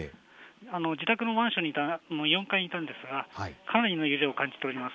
自宅のマンションに、４階にいたんですが、かなりの揺れを感じております。